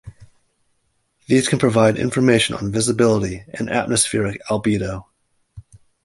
These can provide information on visibility and atmospheric albedo.